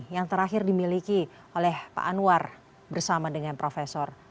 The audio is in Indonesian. yang terakhir dimiliki oleh pak anwar bersama dengan prof